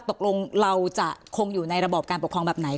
ตกลงเราจะคงอยู่ในระบอบการปกครองแบบไหน